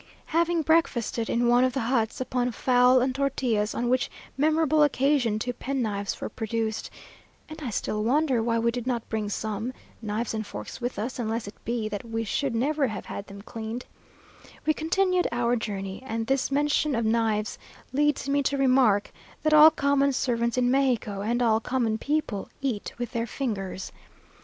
Having breakfasted in one of the huts, upon fowl and tortillas, on which memorable occasion two penknives were produced (and I still wonder why we did not bring some; knives and forks with us, unless it be that we should never have had them cleaned), we continued our journey: and this mention of knives leads me to remark, that all common servants in Mexico, and all common people, eat with their fingers!